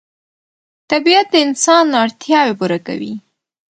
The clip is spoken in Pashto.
طبیعت د انسان اړتیاوې پوره کوي